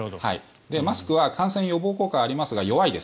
マスクは感染予防効果はありますが、弱いです。